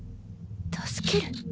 助ける⁉